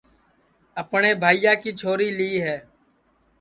اپٹؔے بھائیا کی چھوری لی ہے